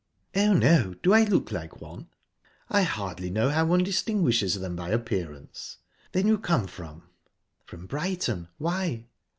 "Oh, no. Do I look like one?" "I hardly know how one distinguishes them by appearance. Then you come from...?" "From Brighton. Why?"